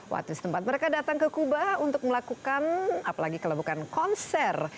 waktu setempat mereka datang ke kuba untuk melakukan apalagi kalau bukan konser